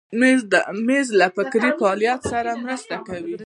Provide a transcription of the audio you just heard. مېز له فکري فعالیت سره مرسته کوي.